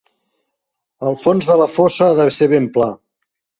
El fons de la fossa ha d'ésser ben pla.